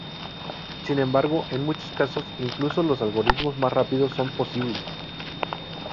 Sin embargo, en muchos casos incluso los algoritmos más rápidos son posibles.